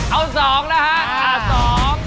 เอา๒นะฮะ